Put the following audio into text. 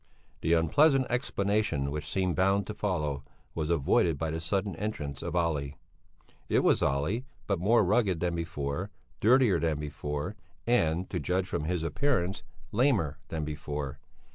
The unpleasant explanation which seemed bound to follow was avoided by the sudden entrance of Olle. It was Olle, but more rugged than before, dirtier than before and, to judge from his appearance, lamer than before.